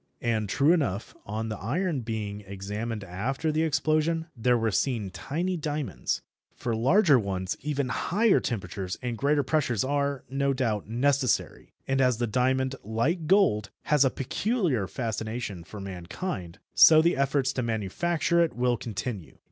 And true enough, on the iron being examined after the explosion, there were seen tiny diamonds. For larger ones even higher temperatures and greater pressures are, no doubt, necessary, and as the diamond, like gold, has a peculiar fascination for mankind, so the efforts to manufacture it will continue.